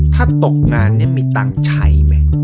ถ้าตกงานนี่มีตังค์ใช้ไหม